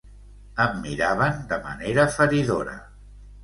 Em miraven de manera feridora.